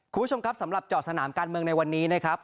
คุณผู้ชมครับสำหรับเจาะสนามการเมืองในวันนี้นะครับ